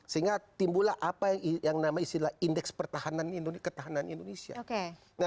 sehingga timbulah apa yang namanya istilah indeks pertahanan indonesia